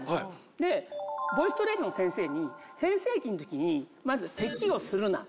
でボイストレーニングの先生に変声期の時にまず「咳をするな」